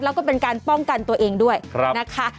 แล้วก็เป็นการป้องกันตัวเองด้วยนะคะ